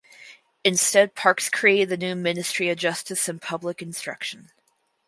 Instead Parkes created the new ministry of justice and public instruction.